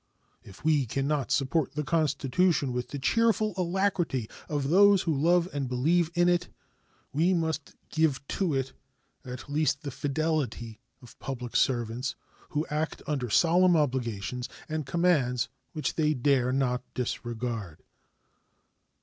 If we can not support the Constitution with the cheerful alacrity of those who love and believe in it, we must give to it at least the fidelity of public servants who act under solemn obligations and commands which they dare not disregard.